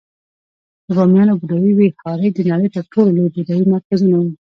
د بامیانو بودایي ویهارې د نړۍ تر ټولو لوی بودایي مرکزونه وو